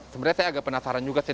sebenarnya saya agak penasaran juga sih